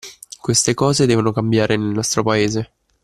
Queste cose devono cambiare nel nostro paese.